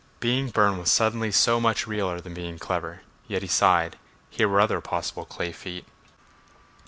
Being Burne was suddenly so much realler than being clever. Yet he sighed... here were other possible clay feet.